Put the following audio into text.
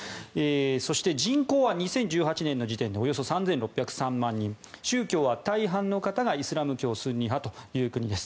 そして人口は２０１８年の時点でおよそ３６０３万人宗教は大半の方がイスラム教スンニ派という国です。